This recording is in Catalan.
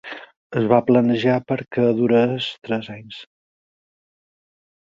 Es va planejar per a que durés tres anys.